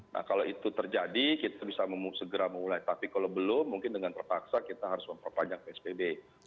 nah kalau itu terjadi kita bisa segera memulai tapi kalau belum mungkin dengan terpaksa kita harus memperpanjang psbb